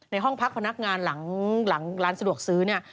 ห้องพักพนักงานหลังร้านสะดวกซื้อเนี่ย